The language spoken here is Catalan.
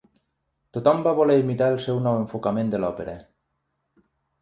Tothom va voler imitar el seu nou enfocament de l'òpera.